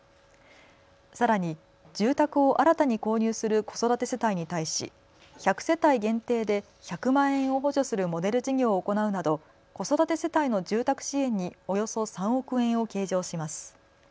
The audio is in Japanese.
さらに住宅を新たに購入する子育て世帯に対し１００世帯限定で１００万円を補助するモデル事業を行うなど子育て世帯の住宅支援におよそ３億円を計上します。